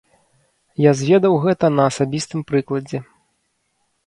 Я зведаў гэта на асабістым прыкладзе.